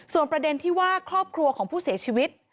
ส่วนประเด็นที่ว่าครอบครัวของผู้เสียชีวิต